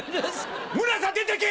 村さ出てけ！